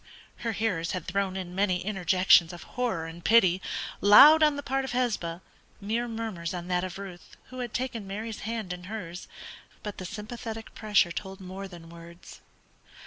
Her hearers had thrown in many interjections of horror and pity, loud on the part of Hesba, mere murmurs on that of Ruth, who had taken Mary's hand in hers, but the sympathetic pressure told more than words.